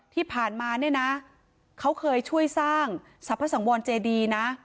ที่ผ่านมาเนี่ยนะเขาเคยช่วยสร้างสรรพสังวรเจดีนะ